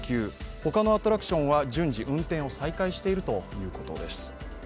他のアトラクションは順次運転を再開しているということです。